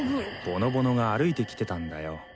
ぼのぼのが歩いてきてたんだよ。